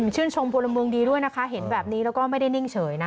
ชมพลเมืองดีด้วยนะคะเห็นแบบนี้แล้วก็ไม่ได้นิ่งเฉยนะ